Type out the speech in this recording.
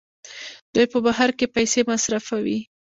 دوی په بهر کې پیسې مصرفوي.